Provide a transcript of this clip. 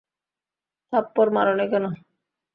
থাপ্পড় মারোনি কেন?